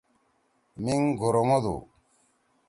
میِنگ گُھرومُودُو۔